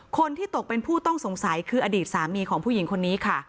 คนที่ตกเป็นผู้ต้องสงสัยคืออดีตสามีของผู้หญิงคนนี้ค่ะ